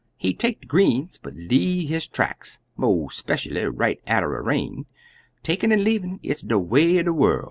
He'd take de greens, but leave his tracks, mo' speshually right atter a rain. Takin' an' leavin' it's de way er de worl'.